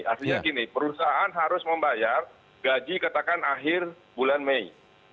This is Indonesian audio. artinya gini perusahaan harus membayar gaji katakan akhir bulan mei